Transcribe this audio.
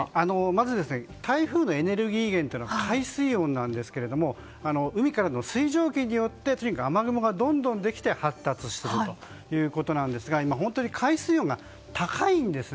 まず、台風のエネルギー源は海水温なんですけれども海からの水蒸気によって雨雲が、どんどんとできて発達するんですが今、本当に海水温が高いんです。